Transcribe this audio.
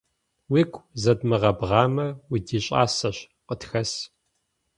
Уигу зэдмыгъэбгъамэ, удищӀасэщ, къытхэс.